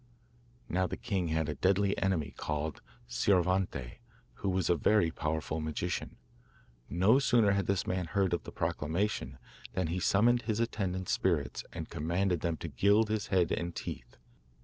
Now the king had a deadly enemy called Scioravante, who was a very powerful magician. No sooner had this man heard of the proclamation than he summoned his attendant spirits and commanded them to gild his head and teeth.